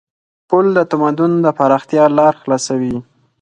پُل د تمدن د پراختیا لار خلاصوي.